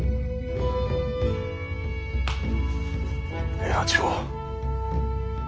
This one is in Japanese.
平八郎。